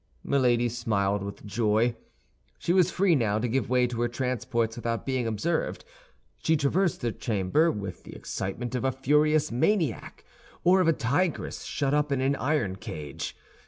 Milady smiled with joy. She was free now to give way to her transports without being observed. She traversed her chamber with the excitement of a furious maniac or of a tigress shut up in an iron cage.